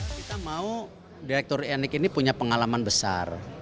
kita mau direktur enik ini punya pengalaman besar